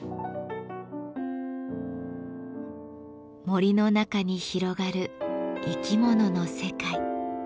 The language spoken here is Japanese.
森の中に広がる生き物の世界。